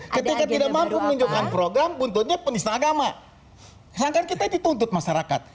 oke jika tidak mampu menunjukkan program putusnya penista agama sangat kita dituntut masyarakat